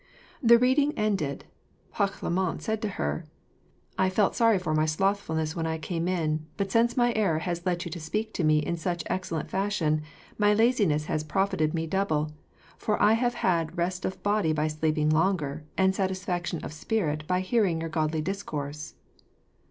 The reading ended, Parlamente said to her "I felt sorry for my slothfulness when I came in, but since my error has led you to speak to me in such excellent fashion, my laziness has profited me double, for I have had rest of body by sleeping longer, and satisfaction of spirit by hearing your godly discourse."